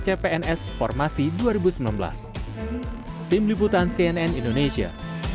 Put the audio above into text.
cpns formasi dua ribu sembilan belas tim liputan cnn indonesia